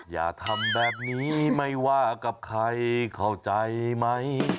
อย่าทำแบบนี้ไม่ว่ากับใครเข้าใจไหม